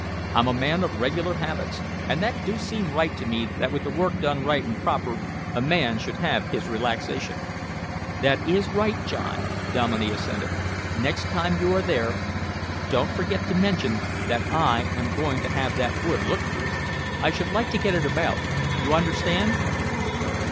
I'm a man of regular habits, and that do seem right to me that with the work done right and proper a man should have his relaxation." "That is right, John," Dominey assented. "Next time you are there, don't forget to mention that I am going to have that wood looked through. I should like it to get about, you understand?"